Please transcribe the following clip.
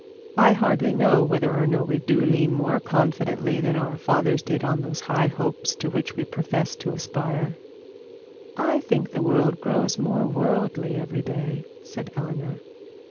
I hardly know whether or no we do lead more confidently than our fathers did on those high hopes to which we profess to aspire.' 'I think the world grows more worldly every day,' said Eleanor.